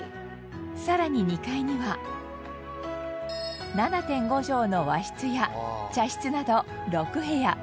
さらに２階には７．５畳の和室や茶室など６部屋。